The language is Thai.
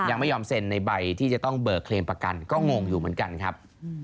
ยังไม่ยอมเซ็นในใบที่จะต้องเบิกเคลมประกันก็งงอยู่เหมือนกันครับ